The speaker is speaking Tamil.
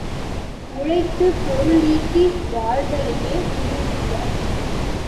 உழைத்துப் பொருளீட்டி வாழ்தலையே விரும்புக.